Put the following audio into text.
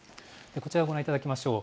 こちらご覧いただきましょう。